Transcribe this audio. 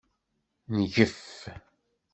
Ngef.